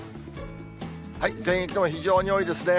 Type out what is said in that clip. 全域とも非常に多いですね。